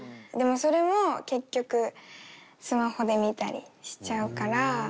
でもそれも結局スマホで見たりしちゃうから。